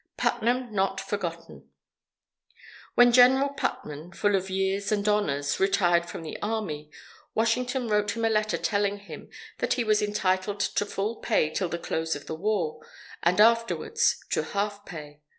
PUTNAM NOT FORGOTTEN! When General Putnam, full of years and honours, retired from the Army, Washington wrote him a letter telling him that he was entitled to full pay till the close of the War, and afterward to half pay.